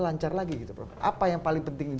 lancar lagi gitu prof apa yang paling penting